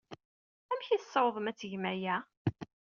Amek ay tessawḍem ad tgem aya?